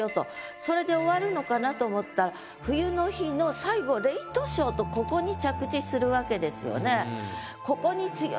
それで終わるのかなと思ったら冬の日の最後「レイトショー」とここに着地するわけですよね。